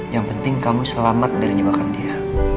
yang penting kamu selamat dari jebakan dia